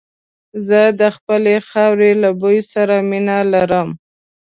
زه د خپلې خاورې له بوی سره مينه لرم.